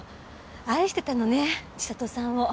愛してたのね千里さんを。